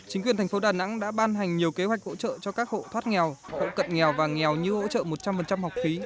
chính quyền thành phố đà nẵng đã ban hành nhiều kế hoạch hỗ trợ cho các hộ thoát nghèo hộ cận nghèo và nghèo như hỗ trợ một trăm linh học phí